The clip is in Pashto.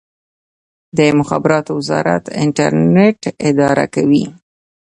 د مخابراتو وزارت انټرنیټ اداره کوي